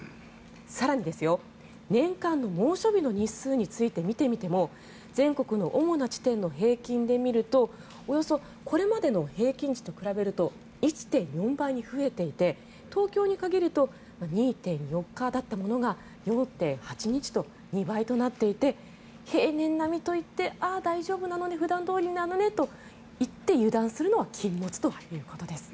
更に年間の猛暑日の日数について見てみても全国の主な地点の平均で見るとおよそこれまでの平均値と比べると１．４倍に増えていて東京に限ると２．４日だったものが４．８日と２倍になっていて平年並みと言ってああ、大丈夫なのね普段どおりなのねと言って油断するのは禁物ということです。